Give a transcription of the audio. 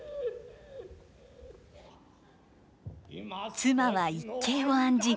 妻は一計を案じ